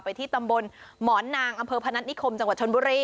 ไปที่ตำบลหมอนนางอพนัทนิคมจังหวัดชนบุรี